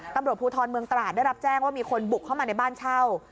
ตำรวจภูทรเมืองตราดได้รับแจ้งว่ามีคนบุกเข้ามาในบ้านเช่า